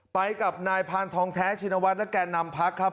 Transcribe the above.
ไปกับนายพานทองแท้ชินวัฒน์และแก่นำพักครับ